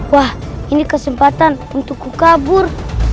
wah ini kesempatan untuk kukabur